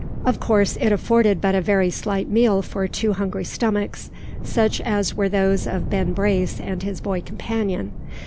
Of course, it afforded but a very slight meal for two hungry stomachs, such as were those of Ben Brace and his boy companion.